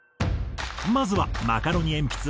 まずはマカロニえんぴつ